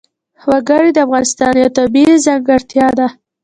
وګړي د افغانستان یوه طبیعي ځانګړتیا ده.